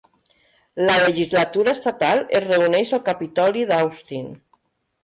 La legislatura estatal es reuneix al Capitoli d'Austin.